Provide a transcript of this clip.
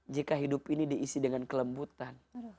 jika hidup ini diisi dengan kelembutan